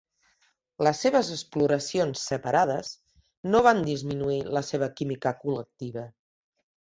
Les seves exploracions separades no van disminuir la seva química col·lectiva.